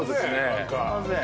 何かすいません